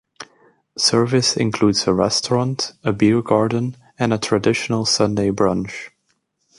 Service includes a restaurant, a beer garden and a traditional Sunday brunch.